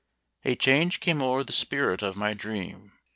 "A change came o'er the spirit of my dream.